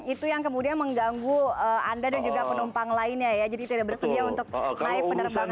itu yang kemudian mengganggu anda dan juga penumpang lainnya ya jadi tidak bersedia untuk naik penerbangan